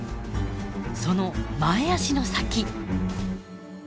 その前足の先。